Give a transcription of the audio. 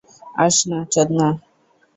আস না, চোদনা!